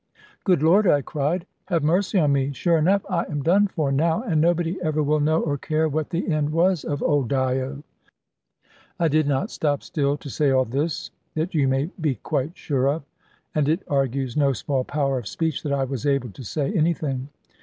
"Good Lord," I cried, "have mercy on me! Sure enough, I am done for now. And nobody ever will know or care what the end was of old Dyo!" I did not stop still to say all this, that you may be quite sure of, and it argues no small power of speech that I was able to say anything.